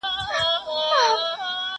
پاچا و ايستل له ځانه لباسونه .!